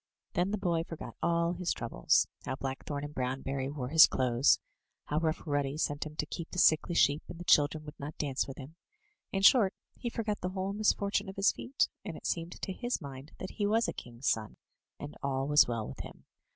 '* Then the boy forgot all his troubles — ^how Blackthorn and Brownberry wore his clothes, how Rough Ruddy sent him to keep the sickly sheep, and the children would not dance with him; in short, he forgot the whole misfortune of his feet, and it seemed to his mind that he was a king's son, and all was well with him.